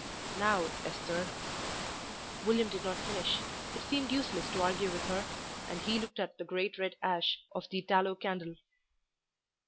"Now, Esther " William did not finish. It seemed useless to argue with her, and he looked at the great red ash of the tallow candle.